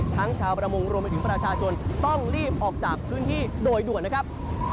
ชาวประมงรวมไปถึงประชาชนต้องรีบออกจากพื้นที่โดยด่วนนะครับ